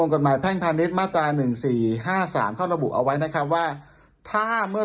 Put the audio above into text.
กฎหมายแพ่งพาณิชย์มาตรา๑๔๕๓เขาระบุเอาไว้นะครับว่าถ้าเมื่อ